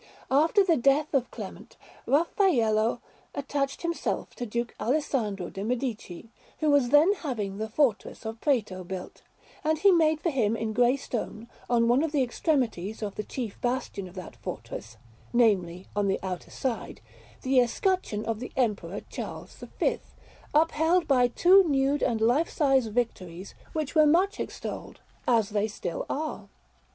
After the death of Clement, Raffaello attached himself to Duke Alessandro de' Medici, who was then having the fortress of Prato built; and he made for him in grey stone, on one of the extremities of the chief bastion of that fortress namely, on the outer side the escutcheon of the Emperor Charles V, upheld by two nude and lifesize Victories, which were much extolled, as they still are.